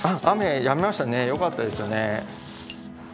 雨やみましたねよかったですよね。